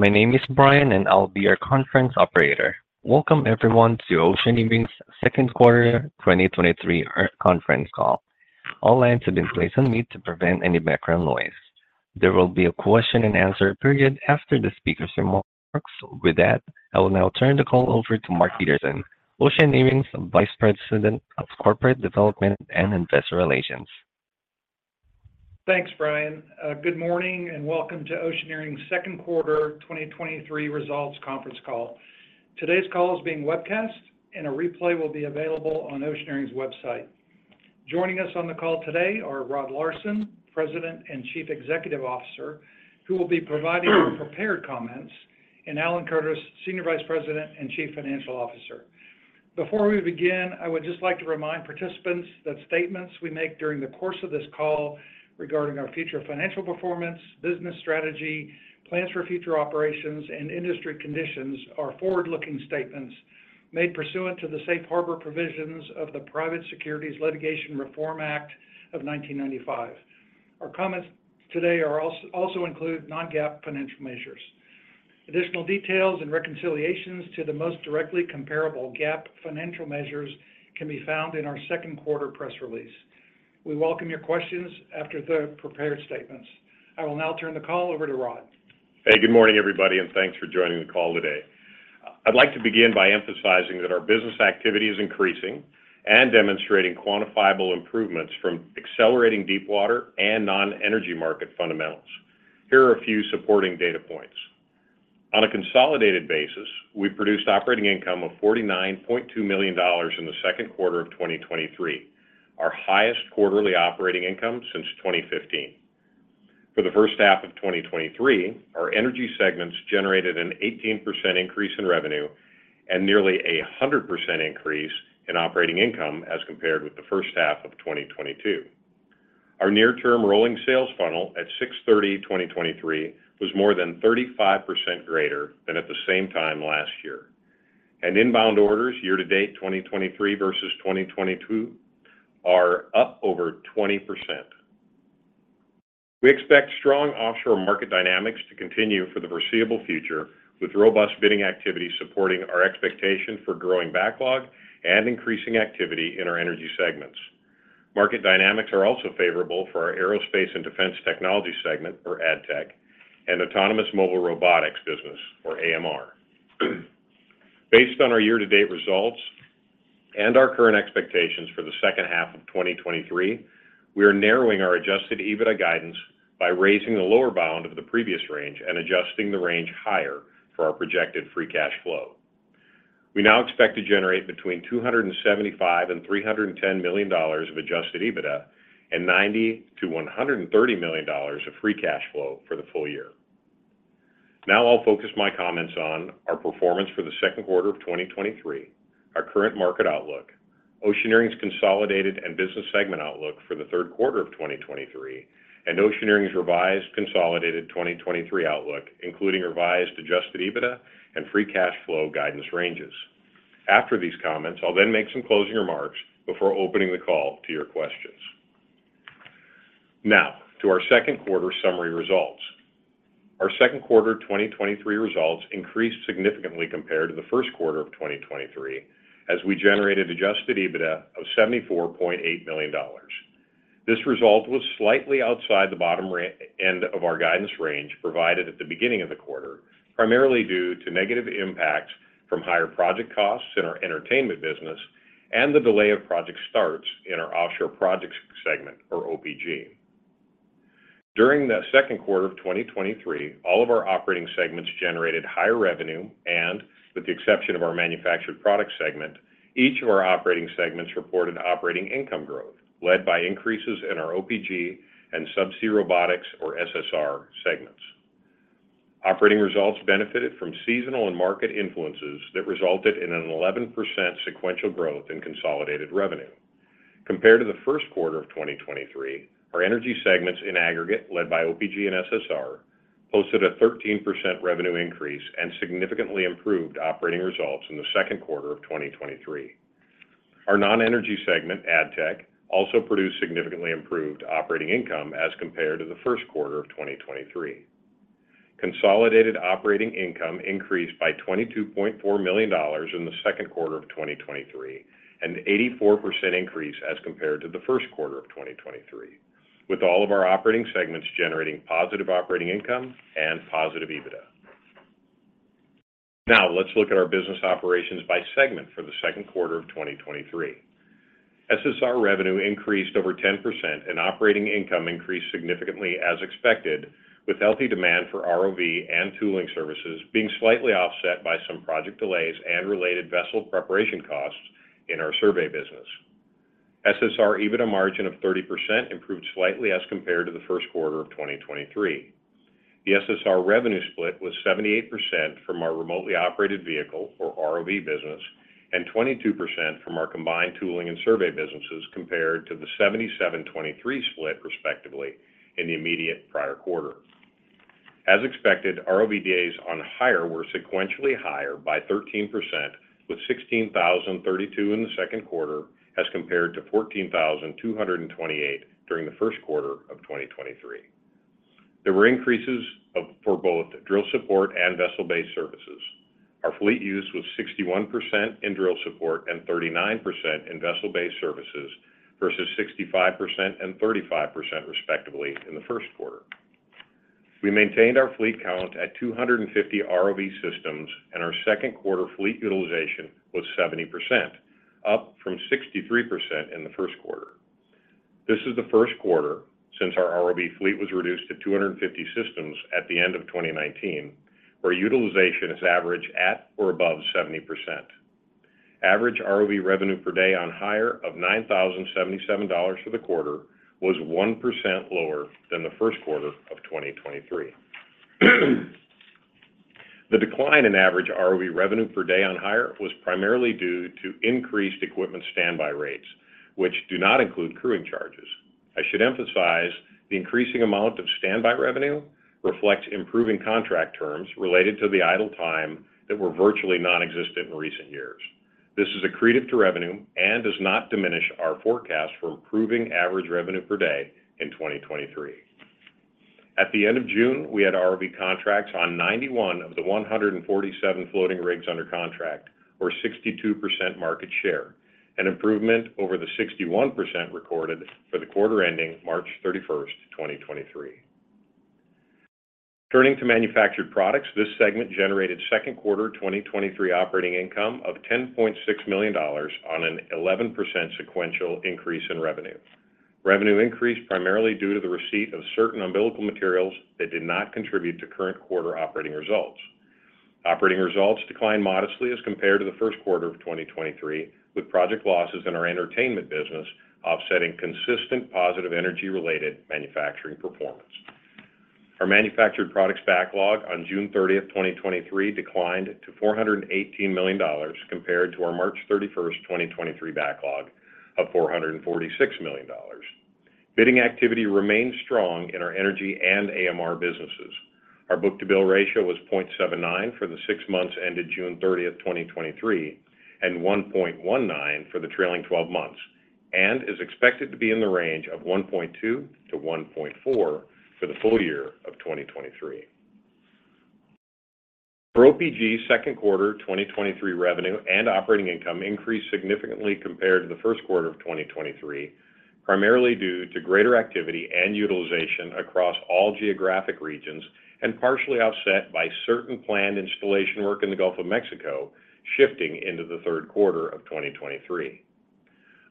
My name is Brian, and I'll be your conference operator. Welcome, everyone, to Oceaneering's second quarter 2023 conference call. All lines have been placed on mute to prevent any background noise. There will be a question-and-answer period after the speaker's remarks. With that, I will now turn the call over to Mark Peterson, Oceaneering's Vice President of Corporate Development and Investor Relations. Thanks, Brian. Good morning, welcome to Oceaneering's second quarter 2023 results conference call. Today's call is being webcast, and a replay will be available on Oceaneering's website. Joining us on the call today are Rod Larson, President and Chief Executive Officer, who will be providing prepared comments, and Alan Curtis, Senior Vice President and Chief Financial Officer. Before we begin, I would just like to remind participants that statements we make during the course of this call regarding our future financial performance, business strategy, plans for future operations, and industry conditions are forward-looking statements made pursuant to the Safe Harbor provisions of the Private Securities Litigation Reform Act of 1995. Our comments today also include non-GAAP financial measures. Additional details and reconciliations to the most directly comparable GAAP financial measures can be found in our second quarter press release. We welcome your questions after the prepared statements. I will now turn the call over to Rod. Hey, good morning, everybody, thanks for joining the call today. I'd like to begin by emphasizing that our business activity is increasing and demonstrating quantifiable improvements from accelerating deepwater and non-energy market fundamentals. Here are a few supporting data points. On a consolidated basis, we produced operating income of $49.2 million in the second quarter of 2023, our highest quarterly operating income since 2015. For the first half of 2023, our energy segments generated an 18% increase in revenue and nearly a 100% increase in operating income as compared with the first half of 2022. Our near-term rolling sales funnel at 6/30/2023 was more than 35% greater than at the same time last year, and inbound orders year to date, 2023 versus 2022, are up over 20%. We expect strong offshore market dynamics to continue for the foreseeable future, with robust bidding activity supporting our expectation for growing backlog and increasing activity in our energy segments. Market dynamics are also favorable for our Aerospace and Defense Technology segment, or ADTech, and Autonomous Mobile Robotics business, or AMR. Based on our year-to-date results and our current expectations for the second half of 2023, we are narrowing our adjusted EBITDA guidance by raising the lower bound of the previous range and adjusting the range higher for our projected free cash flow. We now expect to generate between $275 million and $310 million of adjusted EBITDA and $90 million-$130 million of free cash flow for the full year. I'll focus my comments on our performance for the second quarter of 2023, our current market outlook, Oceaneering's consolidated and business segment outlook for the third quarter of 2023, and Oceaneering's revised consolidated 2023 outlook, including revised Adjusted EBITDA and free cash flow guidance ranges. After these comments, I'll then make some closing remarks before opening the call to your questions. To our second quarter summary results. Our second quarter 2023 results increased significantly compared to the first quarter of 2023, as we generated Adjusted EBITDA of $74.8 million. This result was slightly outside the bottom end of our guidance range, provided at the beginning of the quarter, primarily due to negative impacts from higher project costs in our entertainment business and the delay of project starts in our Offshore Projects segment, or OPG. During the second quarter of 2023, all of our operating segments generated higher revenue, and with the exception of our Manufactured Products segment, each of our operating segments reported operating income growth, led by increases in our OPG and Subsea Robotics, or SSR, segments. Operating results benefited from seasonal and market influences that resulted in an 11% sequential growth in consolidated revenue. Compared to the first quarter of 2023, our energy segments in aggregate, led by OPG and SSR, posted a 13% revenue increase and significantly improved operating results in the second quarter of 2023. Our non-energy segment, ADTech, also produced significantly improved operating income as compared to the first quarter of 2023. Consolidated operating income increased by $22.4 million in the second quarter of 2023, an 84% increase as compared to the first quarter of 2023, with all of our operating segments generating positive operating income and positive EBITDA. Let's look at our business operations by segment for the second quarter of 2023. SSR revenue increased over 10%, and operating income increased significantly as expected, with healthy demand for ROV and tooling services being slightly offset by some project delays and related vessel preparation costs in our survey business. SSR EBITDA margin of 30% improved slightly as compared to the first quarter of 2023. The SSR revenue split was 78% from our remotely operated vehicle, or ROV business, and 22% from our combined tooling and survey businesses, compared to the 77/23 split, respectively, in the immediate prior quarter. As expected, ROV days on hire were sequentially higher by 13%, with 16,032 in the second quarter, as compared to 14,228 during the first quarter of 2023. There were increases of, for both drill support and vessel-based services. Our fleet use was 61% in drill support and 39% in vessel-based services, versus 65% and 35%, respectively, in the first quarter. We maintained our fleet count at 250 ROV systems, and our second quarter fleet utilization was 70%, up from 63% in the first quarter. This is the first quarter since our ROV fleet was reduced to 250 systems at the end of 2019, where utilization has averaged at or above 70%. Average ROV revenue per day on hire of $9,077 for the quarter was 1% lower than the first quarter of 2023. The decline in average ROV revenue per day on hire was primarily due to increased equipment standby rates, which do not include crewing charges. I should emphasize, the increasing amount of standby revenue reflects improving contract terms related to the idle time that were virtually nonexistent in recent years. This is accretive to revenue and does not diminish our forecast for improving average revenue per day in 2023. At the end of June, we had ROV contracts on 91 of the 147 floating rigs under contract, or 62% market share, an improvement over the 61% recorded for the quarter ending March 31, 2023. Turning to Manufactured Products, this segment generated second quarter 2023 operating income of $10.6 million on an 11% sequential increase in revenue. Revenue increased primarily due to the receipt of certain umbilical materials that did not contribute to current quarter operating results. Operating results declined modestly as compared to the first quarter of 2023, with project losses in our entertainment business offsetting consistent positive energy-related manufacturing performance. Our Manufactured Products backlog on June 30, 2023, declined to $418 million, compared to our March 31, 2023 backlog of $446 million. Bidding activity remains strong in our energy and AMR businesses. Our book-to-bill ratio was 0.79 for the six months ended June 30, 2023, and 1.19 for the trailing 12 months, and is expected to be in the range of 1.2-1.4 for the full year of 2023. For OPG's second quarter 2023 revenue and operating income increased significantly compared to the first quarter of 2023, primarily due to greater activity and utilization across all geographic regions and partially offset by certain planned installation work in the Gulf of Mexico, shifting into the third quarter of 2023.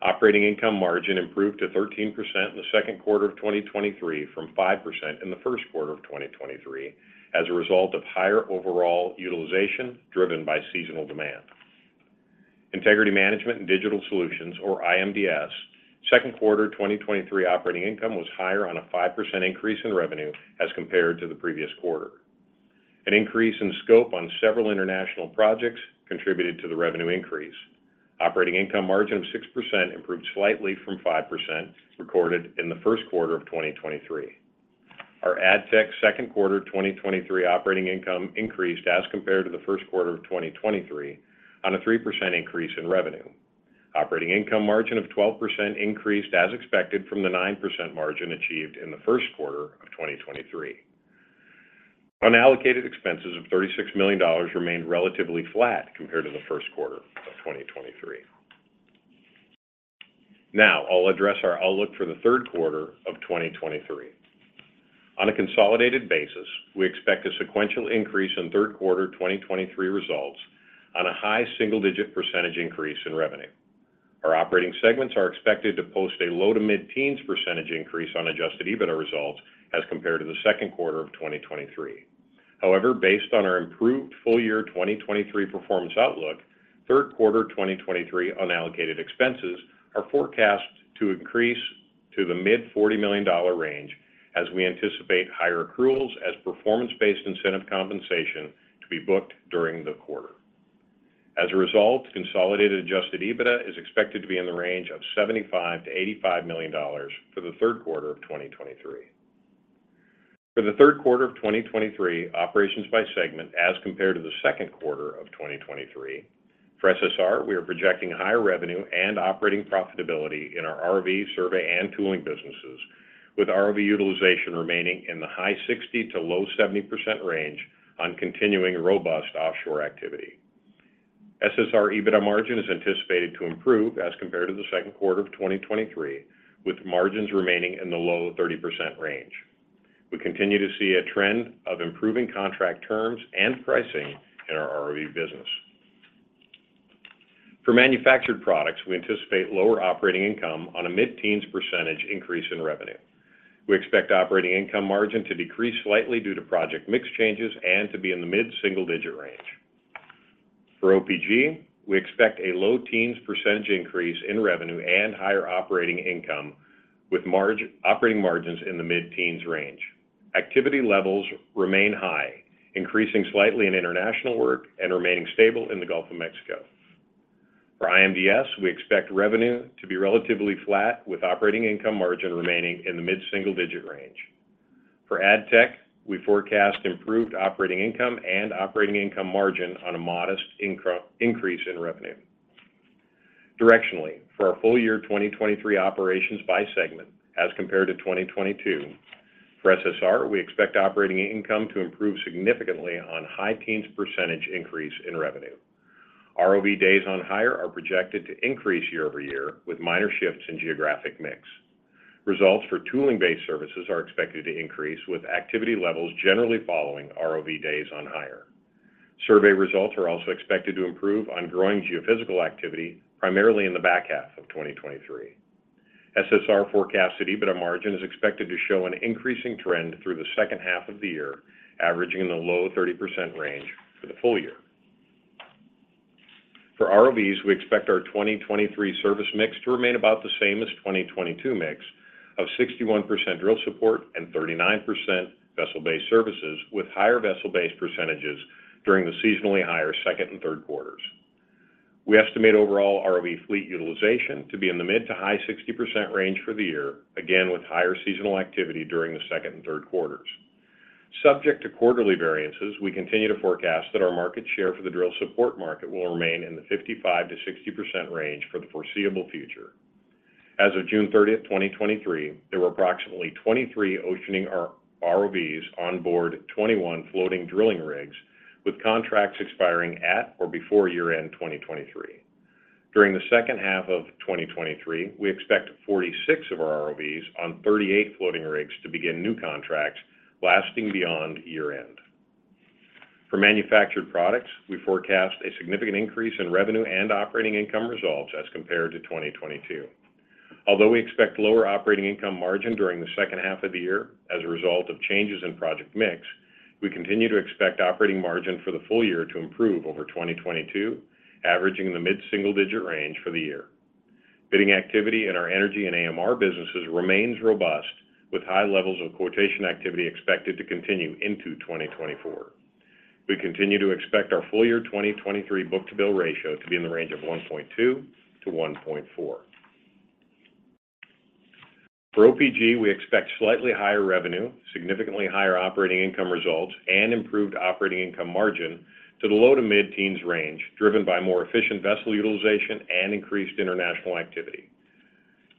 Operating income margin improved to 13% in the second quarter of 2023 from 5% in the first quarter of 2023, as a result of higher overall utilization driven by seasonal demand. Integrity Management and Digital Solutions, or IMDS, second quarter 2023 operating income was higher on a 5% increase in revenue as compared to the previous quarter. An increase in scope on several international projects contributed to the revenue increase. Operating income margin of 6% improved slightly from 5%, recorded in the first quarter of 2023. Our ADTech second quarter 2023 operating income increased as compared to the first quarter of 2023 on a 3% increase in revenue. Operating income margin of 12% increased as expected from the 9% margin achieved in the first quarter of 2023. Unallocated expenses of $36 million remained relatively flat compared to the first quarter of 2023. Now, I'll address our outlook for the third quarter of 2023. On a consolidated basis, we expect a sequential increase in third quarter 2023 results on a high single-digit % increase in revenue. Our operating segments are expected to post a low- to mid-teens percent increase on Adjusted EBITDA results as compared to the second quarter of 2023. Based on our improved full year 2023 performance outlook, third quarter 2023 unallocated expenses are forecast to increase to the mid $40 million range as we anticipate higher accruals as performance-based incentive compensation to be booked during the quarter. As a result, consolidated Adjusted EBITDA is expected to be in the range of $75 million-$85 million for the third quarter of 2023. For the third quarter of 2023, operations by segment as compared to the second quarter of 2023. For SSR, we are projecting higher revenue and operating profitability in our ROV, survey, and tooling businesses, with ROV utilization remaining in the high 60% to low 70% range on continuing robust offshore activity. SSR EBITDA margin is anticipated to improve as compared to the second quarter of 2023, with margins remaining in the low 30% range. We continue to see a trend of improving contract terms and pricing in our ROV business. For Manufactured Products, we anticipate lower operating income on a mid-teens percentage increase in revenue. We expect operating income margin to decrease slightly due to project mix changes and to be in the mid-single digit range. For OPG, we expect a low teens % increase in revenue and higher operating income, with operating margins in the mid-teens range. Activity levels remain high, increasing slightly in international work and remaining stable in the Gulf of Mexico. For IMDS, we expect revenue to be relatively flat, with operating income margin remaining in the mid-single digit range. For ADTech we forecast improved operating income and operating income margin on a modest increase in revenue. Directionally, for our full year 2023 operations by segment as compared to 2022, for SSR, we expect operating income to improve significantly on high teens percentage increase in revenue. ROV days on hire are projected to increase year-over-year with minor shifts in geographic mix. Results for tooling-based services are expected to increase, with activity levels generally following ROV days on hire. Survey results are also expected to improve on growing geophysical activity, primarily in the back half of 2023. SSR forecast EBITDA margin is expected to show an increasing trend through the second half of the year, averaging in the low 30% range for the full year. For ROVs, we expect our 2023 service mix to remain about the same as 2022 mix of 61% drill support and 39% vessel-based services, with higher vessel-based percentages during the seasonally higher second and third quarters. We estimate overall ROV fleet utilization to be in the mid to high 60% range for the year, again, with higher seasonal activity during the second and third quarters. Subject to quarterly variances, we continue to forecast that our market share for the drill support market will remain in the 55%-60% range for the foreseeable future. As of June 30, 2023, there were approximately 23 Oceaneering's ROVs on board, 21 floating drilling rigs, with contracts expiring at or before year-end 2023. During the second half of 2023, we expect 46 of our ROVs on 38 floating rigs to begin new contracts lasting beyond year-end. For Manufactured Products, we forecast a significant increase in revenue and operating income results as compared to 2022. Although we expect lower operating income margin during the second half of the year as a result of changes in project mix, we continue to expect operating margin for the full year to improve over 2022, averaging in the mid-single-digit range for the year. Bidding activity in our energy and AMR businesses remains robust, with high levels of quotation activity expected to continue into 2024. We continue to expect our full year 2023 book-to-bill ratio to be in the range of 1.2x-1.4x. For OPG, we expect slightly higher revenue, significantly higher operating income results, and improved operating income margin to the low to mid-teens range, driven by more efficient vessel utilization and increased international activity.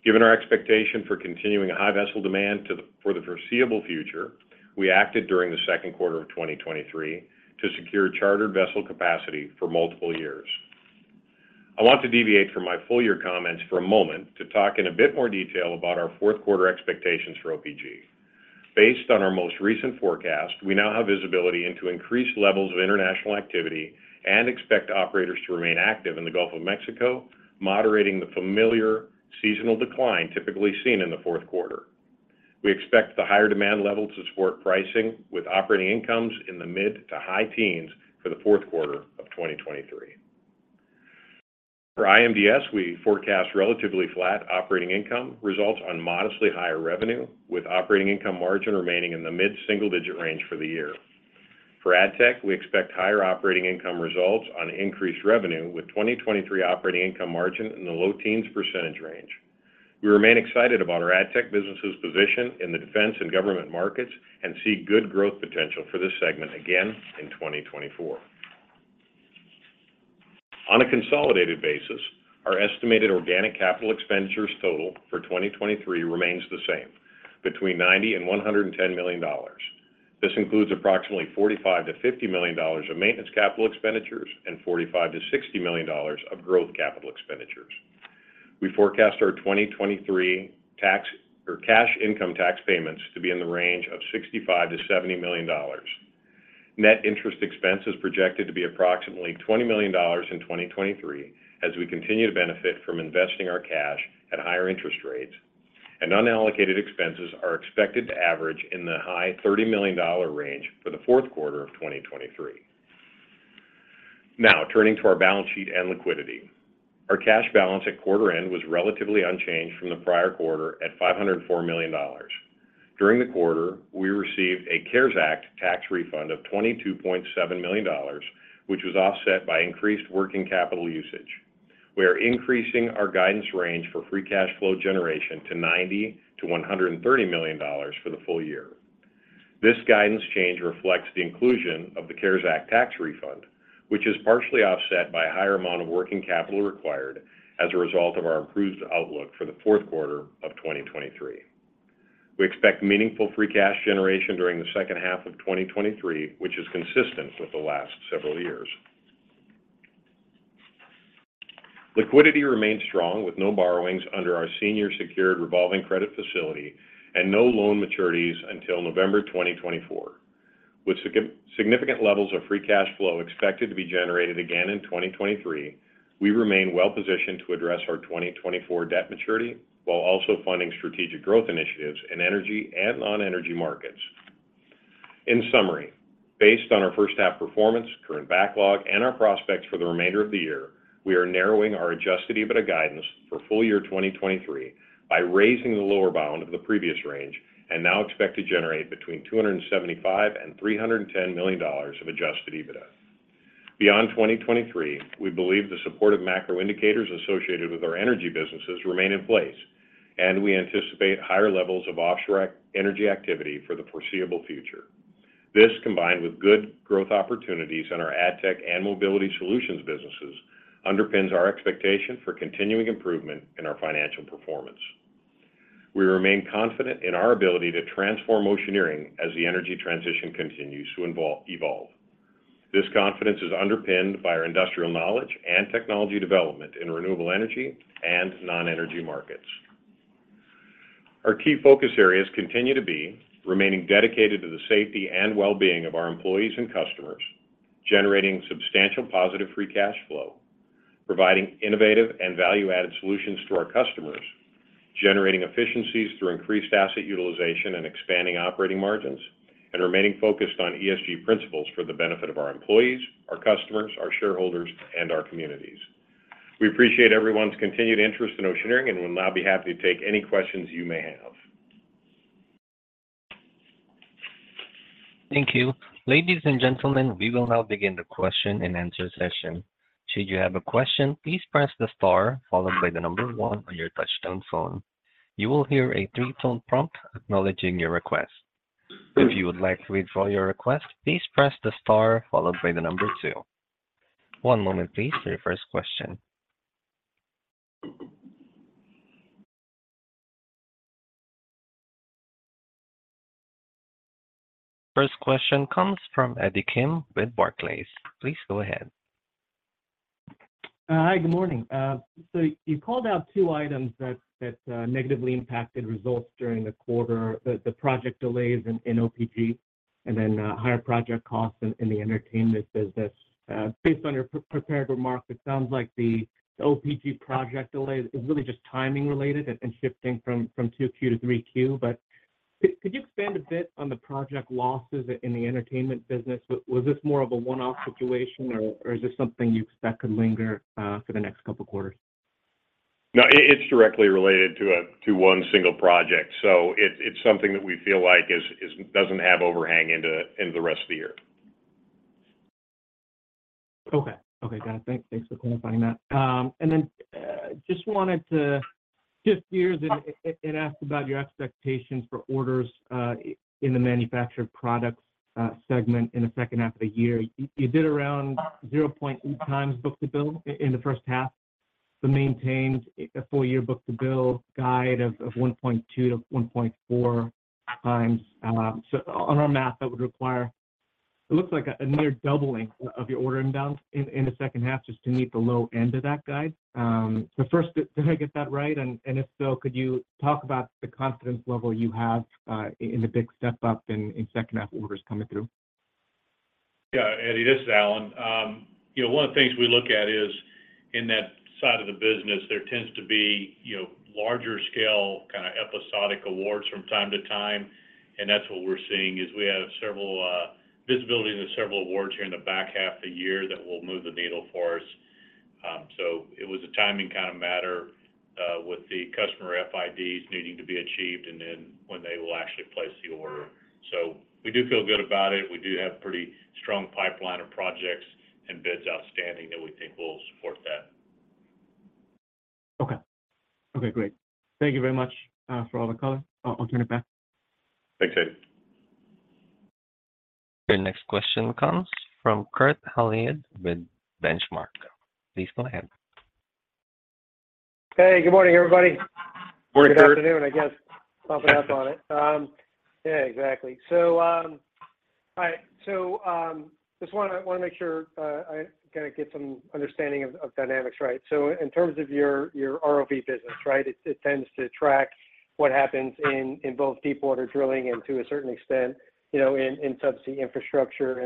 Given our expectation for continuing high vessel demand for the foreseeable future, we acted during the second quarter of 2023 to secure chartered vessel capacity for multiple years. I want to deviate from my full year comments for a moment to talk in a bit more detail about our fourth quarter expectations for OPG. Based on our most recent forecast, we now have visibility into increased levels of international activity and expect operators to remain active in the Gulf of Mexico, moderating the familiar seasonal decline typically seen in the fourth quarter. We expect the higher demand levels to support pricing, with operating incomes in the mid to high teens for the fourth quarter of 2023. For IMDS, we forecast relatively flat operating income results on modestly higher revenue, with operating income margin remaining in the mid-single-digit range for the year. For ADTech, we expect higher operating income results on increased revenue, with 2023 operating income margin in the low teens percentage range. We remain excited about our ADTech business's position in the defense and government markets and see good growth potential for this segment again in 2024. On a consolidated basis, our estimated organic capital expenditures total for 2023 remains the same, between $90 million and $110 million. This includes approximately $45 million-$50 million of maintenance capital expenditures and $45 million-$60 million of growth capital expenditures. We forecast our 2023 tax or cash income tax payments to be in the range of $65 million-$70 million. Net interest expense is projected to be approximately $20 million in 2023, as we continue to benefit from investing our cash at higher interest rates. Unallocated expenses are expected to average in the high $30 million range for the fourth quarter of 2023. Turning to our balance sheet and liquidity. Our cash balance at quarter end was relatively unchanged from the prior quarter at $504 million. During the quarter, we received a CARES Act tax refund of $22.7 million, which was offset by increased working capital usage. We are increasing our guidance range for free cash flow generation to $90 million-$130 million for the full year. This guidance change reflects the inclusion of the CARES Act tax refund, which is partially offset by a higher amount of working capital required as a result of our improved outlook for the fourth quarter of 2023. We expect meaningful free cash generation during the second half of 2023 which is consistent with the last several years. Liquidity remains strong, with no borrowings under our senior secured revolving credit facility and no loan maturities until November 2024. With significant levels of free cash flow expected to be generated again in 2023, we remain well positioned to address our 2024 debt maturity, while also funding strategic growth initiatives in energy and non-energy markets. In summary, based on our first half performance, current backlog, and our prospects for the remainder of the year, we are narrowing our Adjusted EBITDA guidance for full year 2023 by raising the lower bound of the previous range and now expect to generate between $275 million and $310 million of Adjusted EBITDA. Beyond 2023, we believe the supportive macro indicators associated with our energy businesses remain in place, and we anticipate higher levels of offshore energy activity for the foreseeable future. This, combined with good growth opportunities in our ADTech and mobility solutions businesses, underpins our expectation for continuing improvement in our financial performance. We remain confident in our ability to transform Oceaneering as the energy transition continues to evolve. This confidence is underpinned by our industrial knowledge and technology development in renewable energy and non-energy markets. Our key focus areas continue to be remaining dedicated to the safety and well-being of our employees and customers, generating substantial positive free cash flow, providing innovative and value-added solutions to our customers, generating efficiencies through increased asset utilization and expanding operating margins, and remaining focused on ESG principles for the benefit of our employees, our customers, our shareholders, and our communities. We appreciate everyone's continued interest in Oceaneering and will now be happy to take any questions you may have. Thank you. Ladies and gentlemen, we will now begin the question-and-answer session. Should you have a question, please press the star followed by number one on your touchtone phone. You will hear a three-tone prompt acknowledging your request. If you would like to withdraw your request, please press the star followed by number two. One moment please, for your first question. First question comes from Eddie Kim with Barclays. Please go ahead. Hi, good morning. You called out two items that negatively impacted results during the quarter: the project delays in OPG, and then higher project costs in the entertainment business. Based on your prepared remarks it sounds like the OPG project delay is really just timing related and shifting from 2Q to 3Q. Could you expand a bit on the project losses in the entertainment business? Was this more of a one-off situation, or is this something you expect could linger for the next couple quarters? It's directly related to one single project, so it's something that we feel like doesn't have overhang into, into the rest of the year. Okay. Okay, got it. Thanks for clarifying that. Just wanted to hear and ask about your expectations for orders in the Manufactured Products segment in the second half of the year. You did around 0.8x book-to-bill in the first half, but maintained a full year book-to-bill guide of 1.2x-1.4x. On our math, that would require... It looks like a near doubling of your order inbounds in the second half, just to meet the low end of that guide. First, did I get that right? If so, could you talk about the confidence level you have in the big step up in second half orders coming through? Yeah, Eddie, this is Alan. You know, one of the things we look at is in that side of the business, there tends to be, you know, larger scale, kind of, episodic awards from time to time, and that's what we're seeing, is we have several, visibility into several awards here in the back half of the year that will move the needle for us. It was a timing kind of matter, with the customer FIDs needing to be achieved, and then when they will actually place the order. We do feel good about it. We do have pretty strong pipeline of projects and bids outstanding that we think will support that. Okay. Okay, great. Thank you very much for all the color. I'll turn it back. Thanks, Eddie. Your next question comes from Kurt Hallead with Benchmark. Please go ahead. Hey, good morning, everybody. Morning, Kurt. Good afternoon, I guess. Bumpin' up on it. Yeah, exactly. All right. Just wanna make sure, I kinda get some understanding of dynamics, right? In terms of your ROV business, right, it, it tends to track what happens in, in both deepwater drilling and to a certain extent, you know, in subsea infrastructure.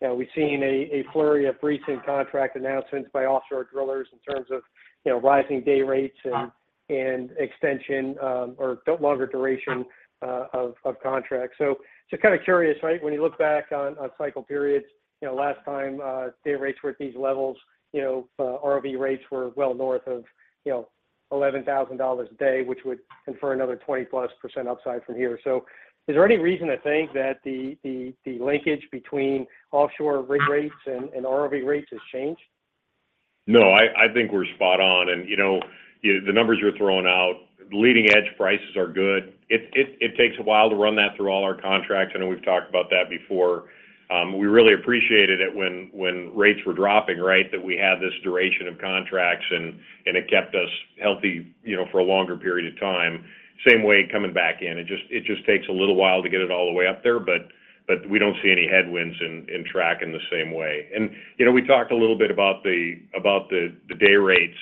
You know, we've seen a flurry of recent contract announcements by offshore drillers in terms of, you know, rising day rates and extension or longer duration of contracts. Just kind of curious, right? When you look back on, on cycle periods, you know, last time day rates were at these levels, you know, ROV rates were well north of, you know, $11,000 a day, which would confer another 20%+ upside from here. Is there any reason to think that the linkage between offshore rig rates and ROV rates has changed? No, I think we're spot on. You know, the numbers you're throwing out, leading-edge prices are good. It takes a while to run that through all our contracts, I know we've talked about that before. We really appreciated it when rates were dropping, right, that we had this duration of contracts, and it kept us healthy, you know, for a longer period of time. Same way coming back in. It just takes a little while to get it all the way up there, but we don't see any headwinds in tracking the same way. You know, we talked a little bit about the day rates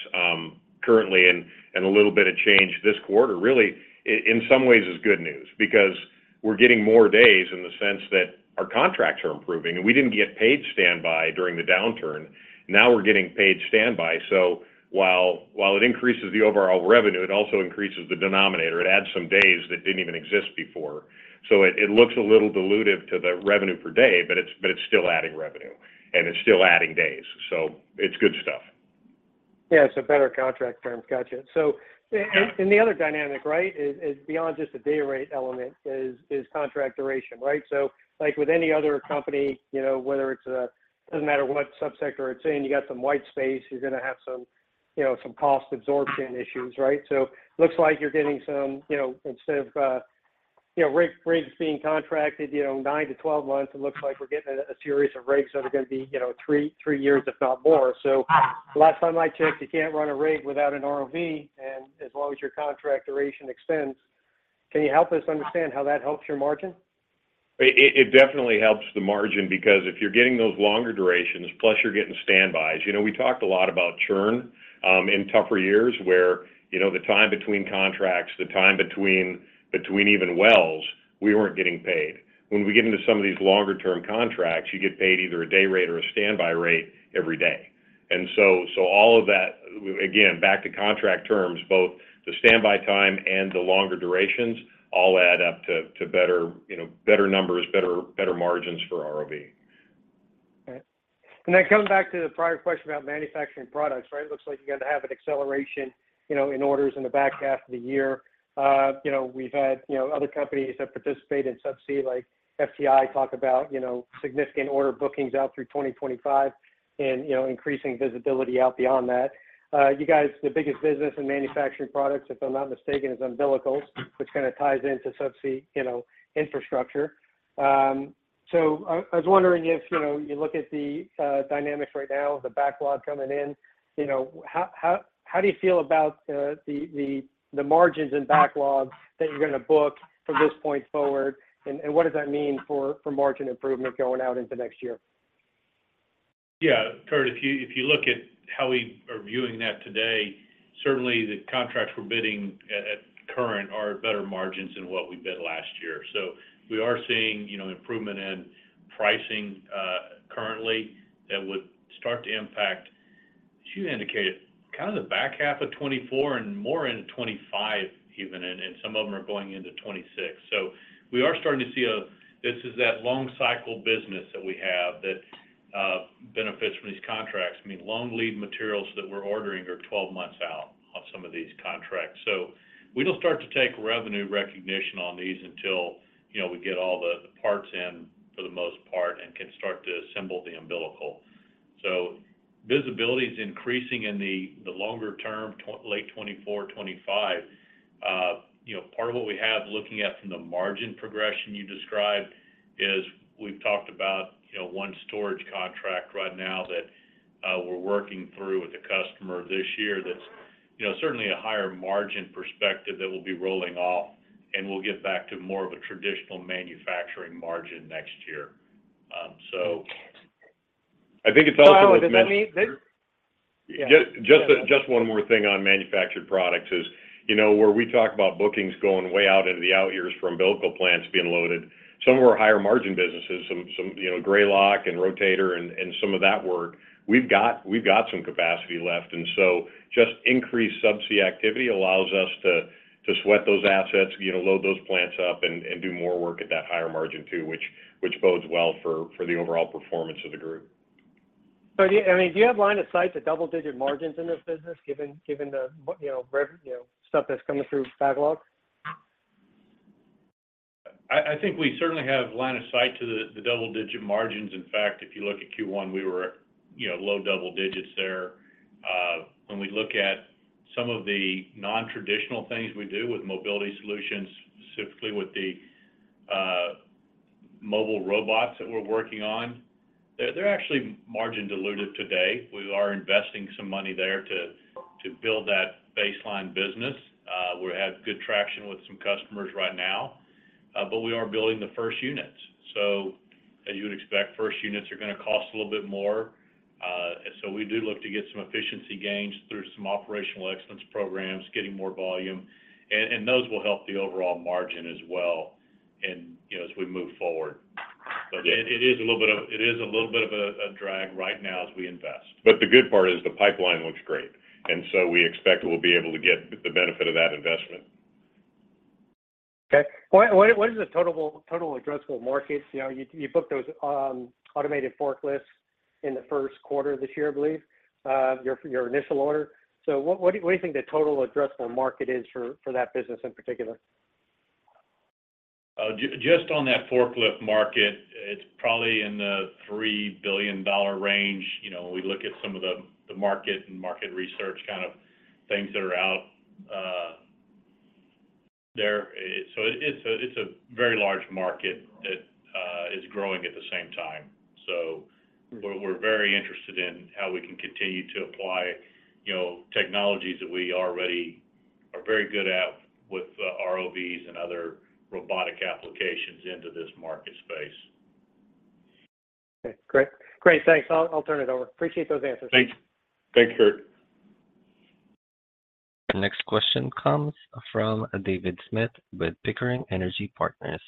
currently, and a little bit of change this quarter, really, in some ways is good news. We're getting more days in the sense that our contracts are improving, and we didn't get paid standby during the downturn. Now, we're getting paid standby. While, while it increases the overall revenue, it also increases the denominator. It adds some days that didn't even exist before. It, it looks a little dilutive to the revenue per day, but it's, but it's still adding revenue, and it's still adding days, so it's good stuff. It's a better contract terms. Gotcha. The other dynamic, right, is, is beyond just the day rate element, is, is contract duration, right? Like with any other company, you know, whether it's a... Doesn't matter what subsector it's in, you got some white space, you're gonna have some, you know, some cost absorption issues, right? Looks like you're getting some, you know, instead of, you know, rigs being contracted, you know, 9-12 months, it looks like we're getting a, a series of rigs that are gonna be, you know, three years, if not more. Last time I checked, you can't run a rig without an ROV, and as long as your contract duration extends, can you help us understand how that helps your margin? It definitely helps the margin because if you're getting those longer durations, plus you're getting standbys. You know, we talked a lot about churn in tougher years, where, you know, the time between contracts, the time between even wells, we weren't getting paid. When we get into some of these longer-term contracts, you get paid either a day rate or a standby rate every day. So all of that, again, back to contract terms, both the standby time and the longer durations all add up to better, you know, better numbers, better margins for ROV. Coming back to the prior question about Manufactured Products, right? It looks like you're gonna have an acceleration, you know, in orders in the back half of the year. You know, we've had, you know, other companies that participate in subsea, like FTI, talk about, you know, significant order bookings out through 2025 and, you know, increasing visibility out beyond that. You guys, the biggest business in Manufactured Products, if I'm not mistaken, is umbilicals, which kind of ties into subsea, you know, infrastructure. So I was wondering if, you know, you look at the dynamics right now, the backlog coming in, you know, how do you feel about the margins and backlogs that you're gonna book from this point forward, and what does that mean for margin improvement going out into next year? Yeah, Kurt, if you look at how we are viewing that today, certainly the contracts we're bidding at, at current are at better margins than what we bid last year. We are seeing, you know, improvement in pricing currently that would start to impact, as you indicated, kind of the back half of 2024 and more into 2025 even, and some of them are going into 2026. We are starting to see this is that long-cycle business that we have that benefits from these contracts. I mean, long-lead materials that we're ordering are 12 months out on some of these contracts. We don't start to take revenue recognition on these until, you know, we get all the parts in, for the most part, and can start to assemble the umbilical. Visibility is increasing in the longer term, late 2024, 2025. You know, part of what we have looking at from the margin progression you described is we've talked about, you know, 1 storage contract right now that we're working through with a customer this year that's, you know, certainly a higher margin perspective that will be rolling off, and we'll get back to more of a traditional manufacturing margin next year. I think it's also... Does that mean that? Yeah. Just one more thing on Manufactured Products is, you know, where we talk about bookings going way out into the out years for umbilical plants being loaded, some of our higher margin businesses, some, you know, Grayloc and Rotator and some of that work, we've got some capacity left. just increased subsea activity allows us to sweat those assets, you know, load those plants up and do more work at that higher margin too, which bodes well for the overall performance of the group. I mean, do you have line of sight to double-digit margins in this business, given the, what you know, stuff that's coming through backlog? I think we certainly have line of sight to the double-digit margins. In fact, if you look at Q1, we were, you know, low double digits there. When we look at some of the nontraditional things we do with mobility solutions, specifically with the mobile robots that we're working on, they're actually margin dilutive today. We are investing some money there to build that baseline business. We have good traction with some customers right now, but we are building the first units. As you would expect, first units are gonna cost a little bit more, and so we do look to get some efficiency gains through some operational excellence programs, getting more volume, and those will help the overall margin as well and, you know, as we move forward. It is a little bit of a drag right now as we invest. The good part is the pipeline looks great, and so we expsect we'll be able to get the benefit of that investment. Okay. What is the total addressable markets? You know, you booked those automated forklifts in the first quarter of this year, I believe your initial order. What do you think the total addressable market is for that business in particular? Just on that forklift market, it's probably in the $3 billion range. You know, when we look at some of the market and market research kind of things that are out there. It's a very large market that is growing at the same time. We're very interested in how we can continue to apply, you know, technologies that we already are very good at with ROVs and other robotic applications into this market space. Okay, great. Great, thanks. I'll turn it over. Appreciate those answers. Thanks. Thanks, Kurt. The next question comes from David Smith with Pickering Energy Partners.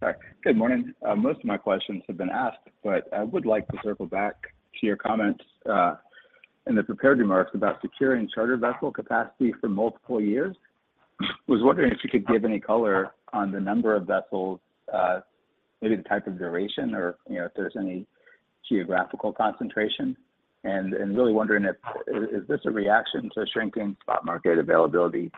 Sorry. Good morning. Most of my questions have been asked, but I would like to circle back to your comments, in the prepared remarks about securing charter vessel capacity for multiple years. I was wondering if you could give any color on the number of vessels, maybe the type of duration or you know, if there's any geographical concentration? Really wondering if this is a reaction to shrinking spot market availability,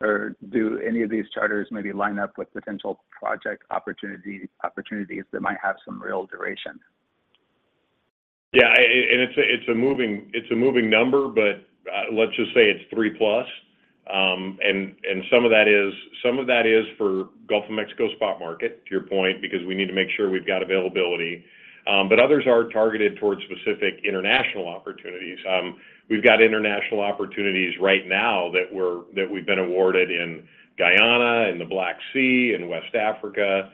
or do any of these charters maybe line up with potential project opportunities that might have some real duration? Yeah, and it's a moving number, but let's just say it's 3+, and some of that is for Gulf of Mexico spot market, to your point, because we need to make sure we've got availability. Others are targeted towards specific international opportunities. We've got international opportunities right now that we've been awarded in Guyana and the Black Sea and West Africa,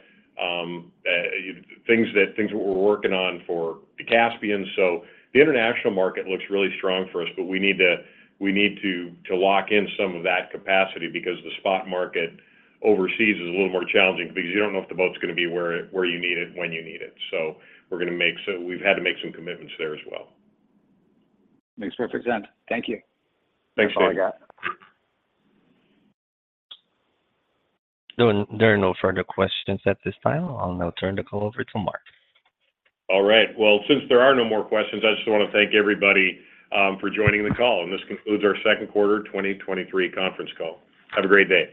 things that we're working on for the Caspian. The international market looks really strong for us, but we need to lock in some of that capacity because the spot market overseas is a little more challenging because you don't know if the boat's gonna be where you need it, when you need it. We've had to make some commitments there as well. Makes perfect sense. Thank you. Thanks, David. That's all I got. There are no further questions at this time. I'll now turn the call over to Mark. All right. Well, since there are no more questions, I just want to thank everybody for joining the call. This concludes our second quarter 2023 conference call. Have a great day.